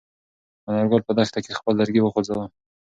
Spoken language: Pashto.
انارګل په دښته کې خپل لرګی وخوځاوه.